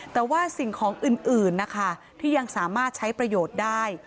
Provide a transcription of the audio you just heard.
แต่ว่าสิ่งของอื่นนะคะที่ยังสามารถใช้ประโยชน์ได้